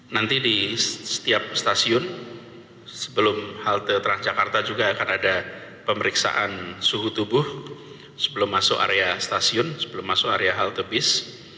nanti di setiap stasiun sebelum halte transjakarta juga akan ada pemeriksaan suhu tubuh sebelum masuk area stasiun sebelum masuk area halte bis